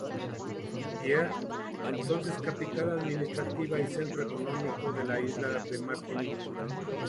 Pierre, entonces capital administrativa y centro económico de la isla de Martinica.